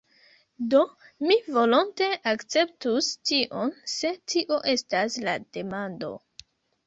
Do, mi volonte akceptus tion se tio estas la demando.